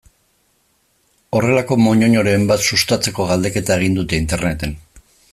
Horrelako moñoñoren bat sustatzeko galdeketa egin dute Interneten.